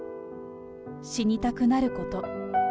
死にたくなること。